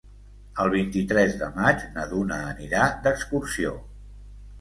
El vint-i-tres de maig na Duna anirà d'excursió.